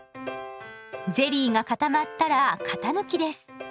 ゼリーが固まったら型抜きです。